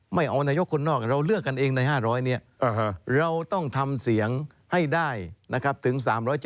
ไม่เอานายกคนนอกเราเลือกกันเองใน๕๐๐เราต้องทำเสี่ยงให้ได้ถึง๓๗๕